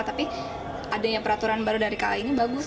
tapi adanya peraturan baru dari kai ini bagus